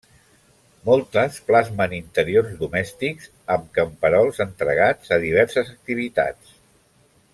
Moltes plasmen interiors domèstics, amb camperols entregats a diverses activitats.